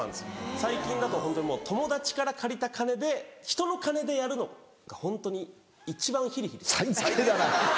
最近だとホントにもう友達から借りた金でひとの金でやるのがホントに一番ひりひりするっていうか。